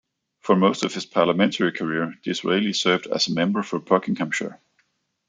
For most of his parliamentary career, Disraeli served as a member for Buckinghamshire.